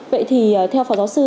vậy thì theo phó giáo sư